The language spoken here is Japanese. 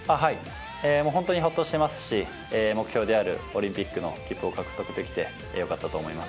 本当にほっとしていますし目標であるオリンピックの切符を獲得できてよかったと思います。